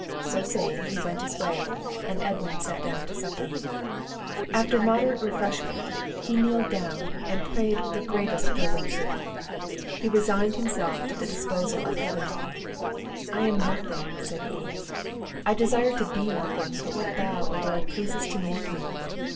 So saying, he went his way, and Edmund sat down to supper. After a moderate refreshment, he kneeled down, and prayed with the greatest fervency. He resigned himself to the disposal of Heaven: "I am nothing," said he, "I desire to be nothing but what thou, O Lord, pleasest to make me.